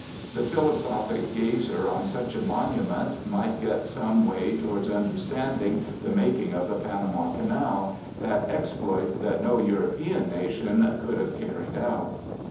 The philosophic gazer on such a monument might get some way towards understanding the making of the Panama Canal, that exploit that no European nation could have carried out.